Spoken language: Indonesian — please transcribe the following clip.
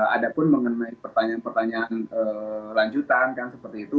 ada pun mengenai pertanyaan pertanyaan lanjutan kan seperti itu